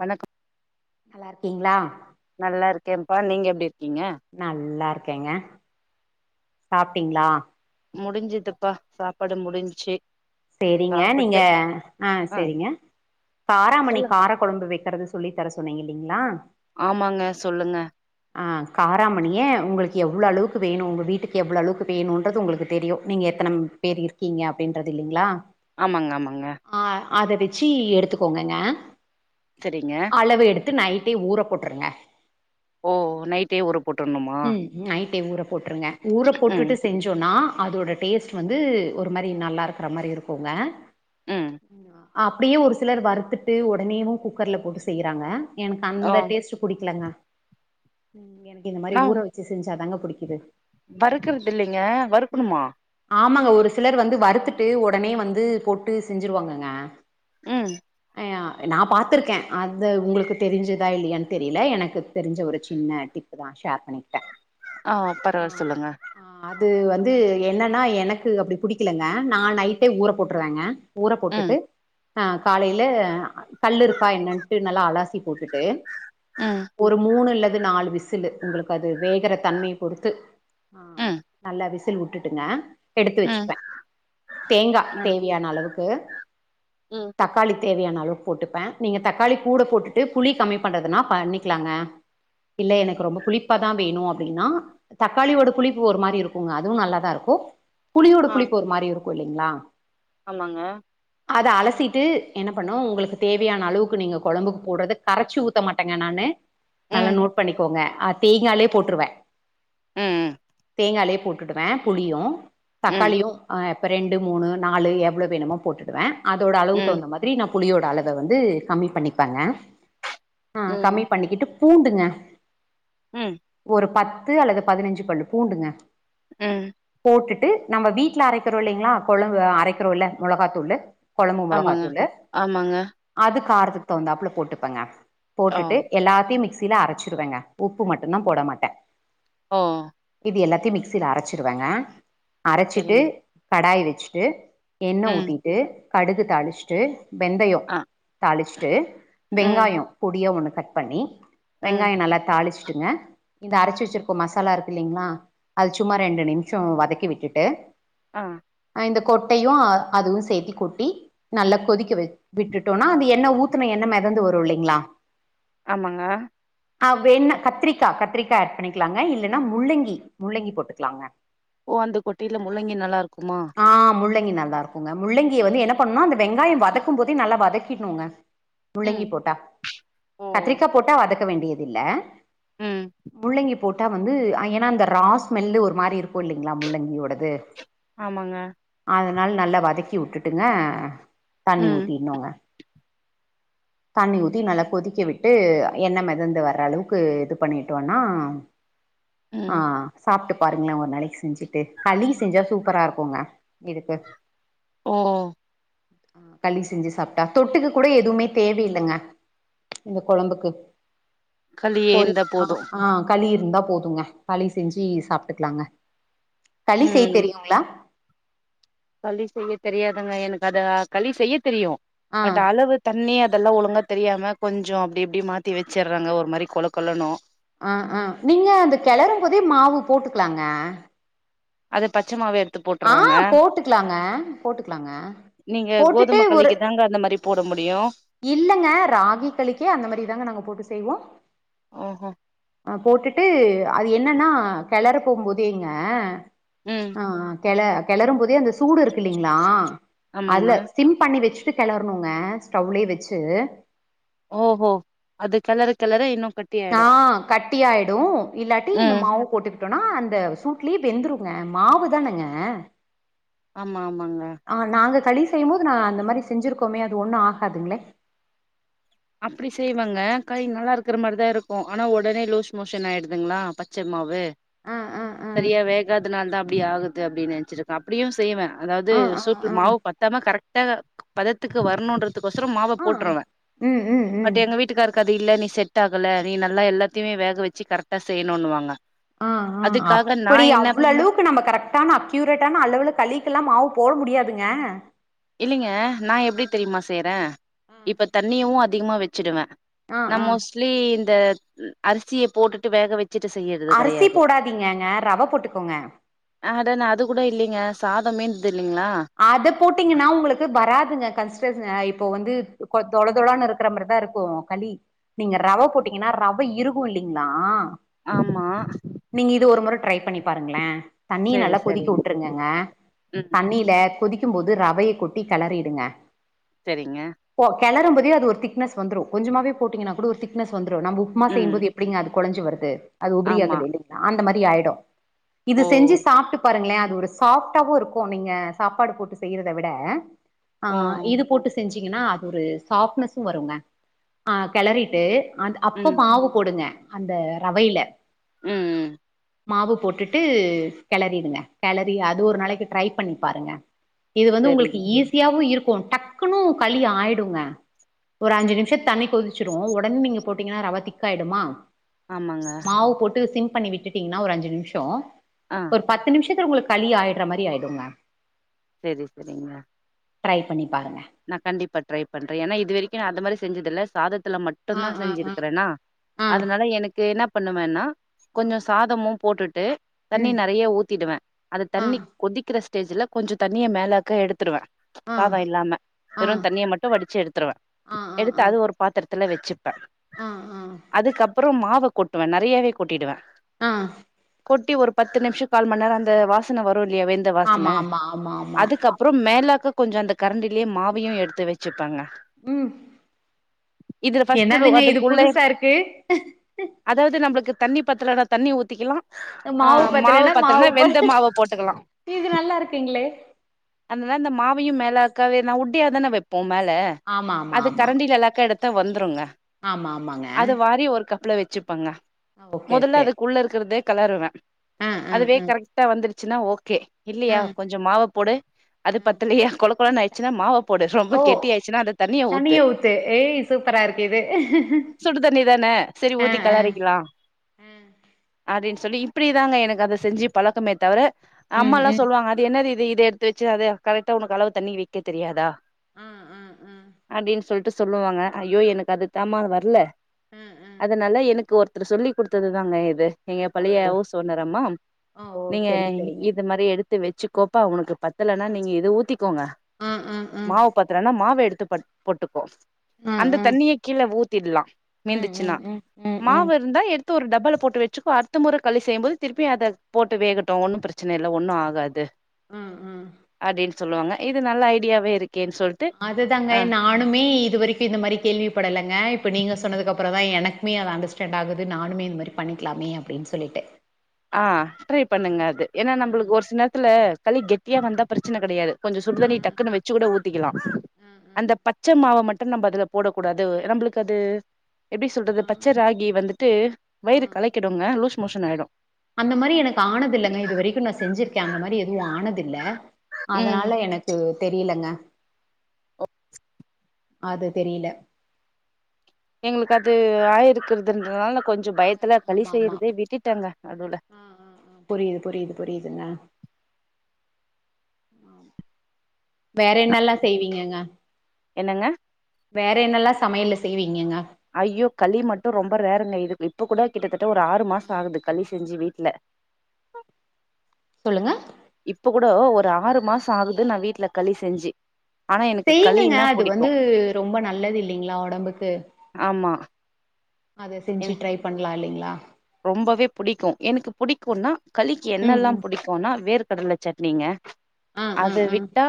வணக்கம் நல்லா இருக்கீங்களா நல்லா இருக்கேன்ப்பா நீங்க எப்டி இரு நல்லா இருக் ஏங்க சாப்பிட்டீங்ளா முடிஞ்சுதுப்பா சாப்பாடு முடிஞ்ச்சு செரிங்க நீங்க சாப்புட்டு ஆ செரிங்க காராமணி சொல்லு கார குழம்பு வை கறது சொல்லி தர சொன்னீங்க இல்லீங்ளா ஆமாங்க சொல்லுங்க அ காராமணிய உங்களுக்கு எவ்வளோளவுக்கு வேணும் உங்க வீட்டுக்கு எவ்வளோளவுக்கு வேணுன்றது உங்களுக்கு தெரியும் நீங்க எத்தன பேர் இருக்கீங்க அப்டின்றது இல்லிங் லா ஆமாங்க ஆமாங்க அத வச்சு எடுத்துக்கோங்கங்க அ சரிங்க த்து நைட்டே ஊற போட்டுருங்க ஓ நைட்டே ஊற போட்டுணுமா உம் நைட்டே ஊற போட்ருங்க ஊற ம் போட்டுட்டு செஞ்சோம்ன்னா அதோட டேஸ்ட் வந்து ஒரு மரி நல்லாருக் ரமாரி இருக்குங்க ம் என்னா அப்டியே ஒரு சிலர் வறுத்துட்டு உடனேுவு குக்கர்ல போட்டு செய்றாங்க எனக்கு ஓ அந்த டேஸ்ட் புடிக்கலங்க ம் எனக்கு இந்த மாரி நா ஊற வச்சு செஞ்சாதாங்க புடிக்குது வறுக்கறது இல்லிங்க ம். வறுக்கணுமா ஆமாங்க ஒரு சிலர் வந்து வறுத்துட் டு உடனே வந்து போட்டு செஞ்சுருவாங்கங்க ம் அ நா பார்த்துருக்கே அது உங்களுக்கு தெரிஞ்சுதா இல்லையான்னு தெரில எனக்கு தெரிஞ்ச ஒரு சின்ன டிப்பு தா ஷேர் பண்ணிக் ஆ பரவால்ல சொல்லுங்க ஆ அது வந்து என்னன்னா எனக்கு அப்டி புடிக்கலங்க நா நைட்டே ஊற போட்டுருவங்க ஊர ம் போட்டுட்டு ஆ காலைல கல்லு இருக்கா என்னட்டு நல்லா அலசி போட்டுட்டு ம் டு ஒரு மூணு லட் து நாலு விசலு உங்களுக்கு அது வேகுற தன்மைய பொறுத்து ஆ ம் நல்லா விஸ் [unintelligible] உட்டுட்டுங்க எடுத்து ம் வச்சுப்பே தேங்கா ம் தேவையான அளவுக்கு ம் உ தக்காளி தேவையான அளவுக் போட்டுப்பேன் நீங்க தக்காளி கூட போட்டுட்டு புளி கம்மி பண்றதுன்னா பண்ணிக்கலாங்க இல்ல எனக்கு ரொம்ப புளிப்பாதான் வேணு அப்டின்னா தக்காளியோட புளிப்பு ஒரு மாரி இருக்குங்க அதுவு நல்லாதா இருக்கும் புலியோட ஆ புளிப்பு ஒரு மாரி இருக்கும் போலிங்களா ஆமாங்க அத அலசிட்டு என்ன பண்ணு உங்களுக்கு தேவையான அளவுக்கு நீங்க கொழம்புக்கு போட்றது கரச்சி ஊத்த மாட்டேங்க நானு நல்லா ம் நோட் பண்ணிக்கோங்க அ தேங்காலேப் போட்ருவே ம்ம் தேங்காலே போட்டுடுவே புளியு ம் தக்காளியு ஆ ப் இப்போ ரெண்டு மூணு நாலு எவ்ளோ வேணுமோ போட்டுடுவேன் அதோட அளவு ம் தவுந்த மாதிரி நா ப் புலியோட அளவ வந்து கம்மி பண்ணிப்பங்க அ ம் கம்மி பண்ணிக்கிட்டு பூண்டுங்க ம் ஒரு பத் த்து அல்லது பதினஞ்சு பல்லு பூண்டுங்க ம் போட்டுட்டு நம்ம வீட்ல அரைக் க்கறோ இல்லிங்களா கொழும்பு அரைக்கறோல்ல மொளகாத்தூளு கொழம்பு ஆமாங்க மொளகாத்தூளு ஆமாங்க அது கா்த் க்குத் தவுந்தாப்ல போட்டுப்பங்க ஓ போட்டுட்டு எல்லாத்தையும் மிக்ஸ் த்தில அரச்சிருவங்க உப்பு மட்டுந் தா போட மாட்டே ஆ எல்லாத்தையு மிக்சில அரச்சிருவங்க அரச்சிட்டு சரிங்க கடாய் வச்சுட்டு என்ன ம் ஊத்திட்டு கடுகு தாளிஷ்ட்டு வெந்தயொ ஆ தாளிஷ் ட்டு ம் வெங்காயொ பொடியா ஒன்னு கட் பண்ணி ம் வெங்காயொ நல்லா தாளிஷ் ட்டுங்க இந்த அரச்சு வச்சிருக்க மசாலா இருக்குல்லிங்ளா அது சும்மா ரெண்டு நிமிஷொ வதக்கி விட்டுட்டு ஆ அ இந்த கொட்டையு அதுவு சேத்தி கொட்டி நல்லா கொதிக்க வ விட்டுட்டோன்னா அந்த எண்ண ஊத்துன எண்ண மெதந்து வரு இல்லீங்ளா ஆமாங்க ஆ வேண்ணா கத்திரிக்கா கத்திரிக்கா ஆட் பண்ணிக்கலாங்க இல்லன்னா முள்ளங்கி முள்ளங்கி போட்டுக்லாங்க ஓ அந்த கொட்டைல முள்ள ங்கி நல்லாருக்குமா? ளங்கி நல்லா இருக்குங்க முள்ளங்கிய வந்து என்ன பண்ணுனா அந்த வெங்காயம் வதக்கும் போதெ நல்லா வதக்கிர்னுங்க ம் முள்ளங்கி போட்டா ஓ கத்திரிக்கா போட்டா வதக் க வேண்டியதில்ல ம் முள்ளங்கி போட்டா வந்து ஏனா அந்த ரா ஸ்மெல்லு ஒரு மாரி இருக்கு இல்லிங்ளா முள்ளங்கியோடது ஆமாங்க அதனால் நல்லா வதக்கி உட்டுட்டுங்க தண்ணி ம் ஊத்தீட்னூங்க தண்ணி ஊத்தி நல்லா கொதிக்க விட்டு எண்ண மெதந்து வர்ற அளவுக்கு இது பண்ணிட்டோன்னா ஆ ம் சாப்ட்டு பாருங்களே ஒரு நாளைக் செஞ்சுட்டு களி செஞ்சா சூப் பரா இருக்குங்க இதுக்கு ம் களி செஞ்சு சாப்ட்டா தொட்டுக்க கூட எதுவ்மே தேவையில்லங்க இந்த கொழம்புக்கு களியே பொரி இருந்தா அ போது ஆ களி இரு ந்தா போதுங்க களி செஞ்சி சாப்ட்டுக்லாங்க களி செய்ய ம் தெரியு களி செய்ய தெரியாதுங்க எனக்கதா களி செய்ய தெரியு ஆ பட் அளவு தண்ணியா இதெல்லா ஒழுங்கா தெரியாம கொஞ்சொ அப்டி இப்டி மாத்தி வச்சுர்றேங்க ஒரு மாரி கொல கொலணு அ ஆ நீங்க அந்த கெளறும் போதே மாவு போட்டுக்குலாங்க அது பச்ச மாவே எடு ஆ போட்டுக்லாங்க போட்டுக்லாங்க நீங்க போட்டுட்டு கோதும ஒரு களிக்கு தாங்க அந்த மாரி போட மு இல்லங்க ராகி களிக்கே அந்த மாரி தாங்க நாங்க போட்டு செய்வோம் ஓஹோ அ போட்டுட்டு அது என்னன்னா கெளற போம் போதேங்க ம் கெள கெளரும் போதே அந்த சூடு இருக்கில்லீங்ளா ஆமாங்க அதுல சிம் பண்ணி வச் சு கெளர்ணுங்க ஸ்டவுளே வச்சு ஓஹோ அது கெலரக்கெலர இன்னு கட்டி ஆயிடு ஆஹ் கட்டியாயிடும் இல்லாட்டி இந்த ம் மாவு போட்டுக் டோனா அந்த சூட்லயே வெந்துருங்க மாவு தானங்க ஆமா ஆமாங்க ஆ நாங்க களி செய்யும்போது நா அந்த மாதிரி செஞ்சிருக்கோமே அது ஒண்ணும் ஆகாதுங்களே அப்டி செய்வாங்க கய் நல்லாக்கிற மாதிரி தான் இருக் கு ஆனா உடனே லூஸ் மோஷன் ஆயிடுதுங்களா பச்ச மாவு ஆ ஆ ஆ சரியா வேகாதனால்தா அப்படி ஆகுது அப்டினு நினைச்சிருக்கன் அப்டியும் செய்வே அதாது ஆ ஆ சூற்று ஆ மாவு பத்தாம கரெக்ட் ட பதத்துக்கு வரணுன்ற ஒசரம் மாவை ஆ போட்டுறவே ம் ம் ம் மட்டு எங்க வீட்டுக்காருக்க து இல்ல நீ செட் ஆகல நீ நல்லா எல்லாத்தையுமே வேக வேச்சு கரெக்டா செய்யணும்னு வாங்க அ அ அப்டி அவ்வுளுவுக்கு நம்ம கரெக்டான அக்யூரட்டான அளவுல களிக்கல்லாம் மாவ் போட முடியாதுங்க இல்லீங்க நான் எப்டி தெரியுமா செய்றேன் இப்ப தண்ணியவும் அ திகமாக வச்சுடுவே ஆ நா ஆ மோஸ்லி த அரிசியை போட்டுட்டு வேக வச் ட்டு செய்யறது அரிசி கிடையாது போடாதீங்கங்க ரவ போட்டுக்கோங்க அதான அது கூட இல்லீங்க சாதமீந்து அத போட்டீங்கன்னாவ் ங்களுக்கு வராதுங்க கஸ்டங்க இப்ப வந்து தொல தொல இருக்கிற மாதிரிதான் இருக்கும் களி நீங்க ரவை போட்டீங்கீன்னா ரவ இருகு இல்லீங்கிளா ஆமா ட்ரை பண்ணி பாருங்களே தண்ணி செரி நல்லா கொதிக்கி செரிங் விட்டுருங்கங்க ம் தண்ணி த கொதிக்கும் போது ரவைய கொட்டி கிளறிடுங்க செரிங்க கெலரும் போதே அது ஒரு திக்னஸ் வந்துடும் கொஞ்சமாவே போட்டங்கன்னா கூட ஒரு திக்னஸ் வந் ரும் நம்ப உப்புமா செய்யும் ம் போது எப்டிங்க அது கொலஞ்சு வருது அது உபுரி ஆமா ஆகுது இல்லைங்களா அந்த மாதி ரி ஆயிடும் இது ஓ செஞ்சு சாப்ட்டு பாருங்களே அது ஒரு சாஃப்ட்டாவு இருக்கும் நீங்க சாப்பாடு போட்டு செய்யறத விட ஆ ஓ இது போட்டு செஞ்சு சிங்கன்னா அது ஒரு சாஃப்ட்னசு வருங்க அ கெளறிட்டு அது அப்ப ம் மாவு போடுங்க அந்த ரவைல ம் ம் மாவு போட்டுட்டு கெலரிடுங்க கெலரி அது ஒரு நாளைக்கு ட்ரை பண்ணிப் பாருங்க இது வந்து உங்களுக்கு செரிங் ஈஸியாவு இருக் க்கும் டக்குனு களி ஆயிடுங்க ஒரு அஞ்சு நிமிஷம் தண்ணிக் கொதிச்சிடு ஒடனே நீங்க போட்டீங்கன்னா ரவ திக் ஆய்டுமா ஆமாங்க மாவு போட்டு சிம் பண்ணி விட்டுடீங்கன்னா ஒரு அஞ்சு நிமிஷோ ஆ ஒரு பத்து நிமிஷ த்துக்கு உங்களுக்கு களி ஆயிட்ற மாரி ஆயிடுங்க செரி செரிங்க ட்ரை பண்ணி பாருங்க நான் கண்டிப்பா ட்ரை பண்றேன் ஏன்னா இது வரைக்கு நா அந்து மாரி செ செஞ்சதில்ல சாதத் இதுல மட்டுந் ஆ தான் ஆ ஆ செஞ்சிருக்கறனா ஆ அதனால எனக்கு என்னப் பண்ணுவேன்னா ஆ கொஞ்ச சாதமு போட்டுட்டு தண்ணி ம் நெறைய ஊத்திடுவே அத ஆ தண்ணிக் கொதிக்கிற ஸ் டேஜ்ல கொஞ்சொ தண்ணிய மேலாக்க எடுத்துடுவேன் ஆ சாதொ இல்லாம ஆ வெறுந் தண்ணிய மட்டு வடிச்சு எடுத்துருவே ஆ ஆ எடுத்து ஆ அது ஒரு பாத்தர் ரத்துல வச்சுப் பே ஆ ஆ அதுக்கப் அப்றொ மாவு கொட்டுவே நெறையாவே கொட்டிடுவே ஆ கொட்டி ஒரு பத்து நிமிஷம் கால் மணி நேரம் அந்த வாசன வரு ரும் இல்லியா வெந்த வாசன ஆமா ஆமா ஆமா ஆமா அதுக்கப்புறம் மேலாக்குக் கொஞ்சொ அந்தக் கரண்டிலயே மாவு வையு எடுத்து வச்சுப்பங்க ம் இதுல ஃபஸ்ட்டு ரோ என்னதுங்க இது அதுக்குள்ளே புதுசா இருக்கு அதாது நம்பளுக்கு தண்ணி பத்துலனா தண்ணி ஊத்திக்கிலா ஆ மாவு பத்தலனா வெந்த மாவ போட்டுக்கலா இது நல்லா இருக்குங்களே [unintelligible] இந்த மாவையு மே லாக்காவே நா உ ட்டியிதானெ வெப் போ மேல ஆமா ஆமா அது ஆமா கரண்டிலா அல்லாக்க எடு த்தா வந்துருங்க ஆமா ஆமாங்க அத வாரி ஒரு கப்ல வச் சுப்பங்க ஓகே மொதல்ல ஓகே அதுக்குள்ள இருக்கற்தே களருவே ஆ ஆ அதுவே ஆ கரெக்டா வந்துரு ச்சுன்னா ஓகே ஆ இல்லையா கொஞ்சொ மாவ போடு அது ஆ பத்தலையா கொல கொலன் ஆயிச்சுன்னா மாவ போடு ரொம்ப ஓ கெட்டி ஆயிச்சுன்னா அந்த தண்ணிய ஊத்து தனியா ஏய் சூப்பரா இருக்கு இது சுடு தண்ணி தான செரி ஆ ஊத்தி ஆ களறிக்கிலா ஆ அப்டின் சொல்லி இப்டி தாங்க எனக்கு அத செஞ்சு பழக்கமே தவிர ம் அம்மால்லா ம் சொல்வாங்க அது என்னதி து இது எடுத்து வச்சு அத கரெக்டா உனக்கு அளவு தண்ணி வைக்க தெரியாதா ஆ ஆ ஆ அப்டின் சொல்ட்டு சொல்லுவாங்க ஐயோ எனக்கது தாம்மா வர்ல ஆ ஆ அதனால எனக்கு ஒரு த்தரு சொல்லி் குடுத்தது தாங்க இது எங்க பழைய ஓ ஹவுஸ் ஓனர் அம்மா ஓ ஓ நீங்க சரி சரிங்க இது மாரி எடுத் து வச்சுக்கோப்பா உனக்கு பத்தலன்னா நீங்க இத ஊத்திக்கோங்க ஆ ஆ ஆ து பத் போட்டுக்கோ ஆ அந்த ஆ தண்ணிய கீழ ஊத் திட்லா ம் ம் மீந்துச்சுனா ம் ம் ம் மாவு இருந்தா எடுத் து ஒரு டப்பால போட்டு வச்சுக்கோ அடுத்த முற களி செய்யும்போது திருப்பி அத போட்டு வேகட்டு ஒன்னு பிரச்சன இல்ல ஒன்னு ஆகாது ம் ம் அதி சொல்லுவாங்க இது நல்ல ஐடியாவே இருக்கேன்னு சொல்ட்டு அதுதாங்க ஆ நானுமே இது வரைக்கு இந்த மாரி கேள்வி படலங்க இப்ப நீங்க சொன்னதுக்கப் புற தா எனக்குமே அது அண்டர்ஸ்டாண்ட் ஆகுது நானுமே இது மாரி பண்ணிக்லாமே அப்டின் சொல்லிட்டு ஆ ட்ரை பண்ணுங்க அது ஏன்னா ஆ, நம்பளுக்கு ஒரு சில நேரத்துல களி கெட்டியா ஆ, வந்தா பிரச்சின கெடயாது கொஞ்ச ஆ, சுடுதண்ணி டக்குன்னு வச்சு கூட ஊத்திக்கலாம் ஆ, அந்த ஆ, பச்ச மாவ மட் டும் நம்ப அதுல போடக் கூடாது நம்பளுக்கு அது எப்டி சொல்றது ஆ, பச்ச ராகி வந்துட்டு ஆ. வயிறு களைக்கிடுங்க லூஸ் மோஷனாயிடும் அந்த மாரி எனக்கு ஆனதில்லங்க இது வரிக்கும் நா செஞ்சிருக்கேன் அந்த மாரி எதுவும் ஆனதில்ல ம் அதனால எனக்கு தெரியிலங்க ஆ அது தெரியல எங்களுக்கு அது ஆயிருக்குறதுன்றதுனால நா கொஞ் ஆமா ஆமா நடுவுல ஆ ஆ ஆ புரியுது புரியுது புரியுதுங்க ம் வேற என்னல்லாம் செய்வீங்கங்க என்னங்க வேற என்னல்லாம் சமையல்ல செய்வீங்கங்க ஐயோ களி மட்டும் ரொம்ப ரேருங்க இது இப்ப கூட கிட்டத்தட் ட ஒரு ஆறு மாசம் ஆகுது களி செஞ்சி வீட்ல ங்க இப்ப கூட ஒரு ரு ஆறு மாசம் ஆகுது நான் வீட்ல களி செஞ்சி செயிங்கங்க அது வந்து ரொம்ப நல்லது இல்லைங்களா ஒடம்புக்கு ஆமா அத செஞ்சி என் ட்ரை பண்ணலா இல்லைங்களா ரொம்பவே புடிக்கும் எனக்கு புடிக்கும்னா களிக்கு ம் என்னல்லாம் ம் புடிக்கும்னா வேர் கடல சட்னிங்க ஆ ஆ அது ஆ விட்டா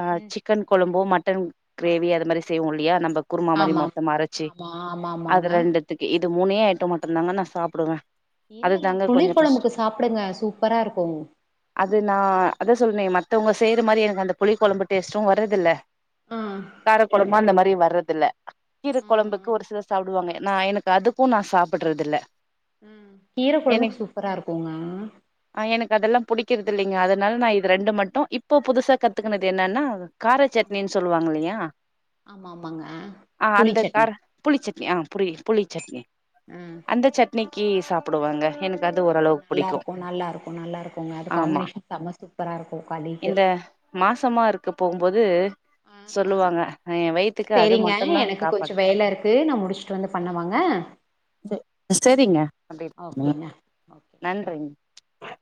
அ சிக்கன் கொழம்பும் மட் டன் கிரேவி அது மாரி செய்வோ இல்லையா நம்ப குருமா மாரி ஆமா மொத்தமா அரைச்சு ஆமா ஆமா அது ஆமாங்க ரெண்டுத்துக்கு இ து மூணே ஐட்டம் மட்டுந்தாங்க நா சாப் புடுவன் இல்லங்க புளி கொழம்புக்கு சாப்டுங்க சூப்பரா இருக்கும் மத்தவுங்க செய்யற மாரி எனக்கு அந்த புளிகொழம்பு டேஸ்டும் வரதில்ல ஆ காரக்கொழம்பும் அந்த மாரி வ ரதுல்ல கீர ஆ கொழம்புக்கு ஆ ஒரு சிலர் சாப்டுவாங்க நா எனக்கு அதுக்கும் நா சாப்பட்றது இல்ல ம் கீர கொழம்புக்கு சூப்பரா இருக்குங்க புடிக்கற்து இல்லைங்க அதனால நா இது ரெண்டு மட்டும் இப்போ புதுசா கத்துக்குனது என்னன்னா கார சட்னின்னு சொல்லுவாங்க இல்லையா ஆமா ஆமாங்க ஆ புளி அந்த கார சட்னி புளிச்சட்னி ஆ புளி புளி சட்னி ஆ அந்த சட் னிக்கு சாப்டுவங்க எனக் நல்லா இருக்கும் நல்லா இருக்கும் நல்லா இருக்குங்க அது ஆமா காம்பினேஷன் செம சூப்பரா இருக்கும் களிக்கு பொது ஆ ஆ அது சேரிங்க மட்டுந்தா எனக்கு சாப்பாடு கொஞ்சொ வேல இருக்கு நா முடிச்சுட்டு வந்து பண்ணவாங்க சேரிங்க அப்டே பன்னுங்க ஓகேங்க ஓகே நன்றிங்க ஆஹ